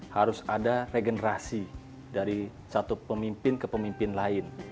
harus ada regenerasi dari satu pemimpin ke pemimpin lain